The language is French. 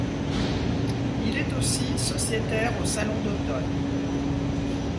Il est aussi sociétaire au Salon d'automne.